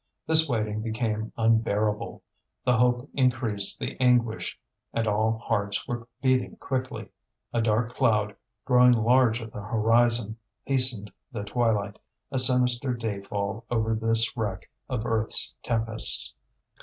This waiting became unbearable; the hope increased the anguish and all hearts were beating quickly. A dark cloud, growing large at the horizon, hastened the twilight, a sinister dayfall over this wreck of earth's tempests.